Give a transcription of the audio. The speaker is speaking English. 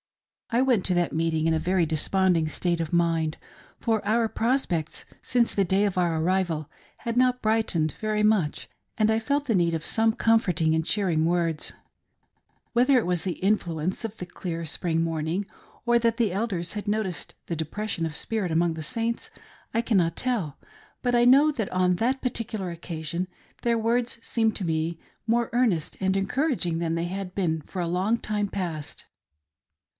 I went to that meeting in a very desponding state of mind, for our prospects since the day of our arrival had not brightened very much, and I felt the need of some comfort ing and cheering words. Whether it was the influence of the clear spring morning, or that the Elders had noticed the depression of spirit among the Saints, I cannot tell, but I know that on that particular occasion their words seemed to me more earnest and encouraging than they had been for a long time past 192 THE "divine" plan.